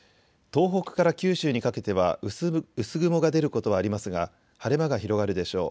東北から九州にかけては薄雲が出ることはありますが晴れ間が広がるでしょう。